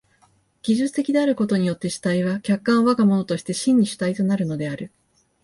技術的であることによって主体は客観を我が物として真に主体となるのである。